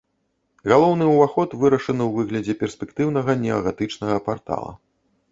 Галоўны ўваход вырашаны ў выглядзе перспектыўнага неагатычнага партала.